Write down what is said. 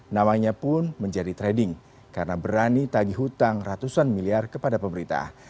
namanya pun menjadi trading karena berani tagih hutang ratusan miliar kepada pemerintah